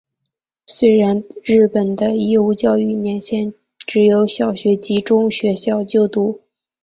虽然日本的义务教育年限只有小学及中学校就读。